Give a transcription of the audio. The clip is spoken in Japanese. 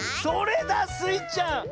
それだスイちゃん！